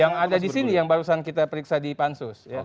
yang ada di sini yang barusan kita periksa di pansus